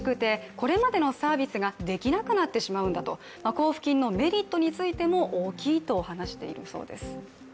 交付金のメリットについても大きいと話しているそうです。